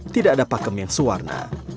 tidak ada pakem yang sewarna